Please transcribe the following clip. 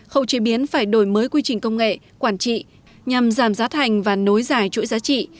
khâu chế biến phải đổi mới quy trình công nghệ quản trị nhằm giảm giá thành và nối dài chuỗi giá trị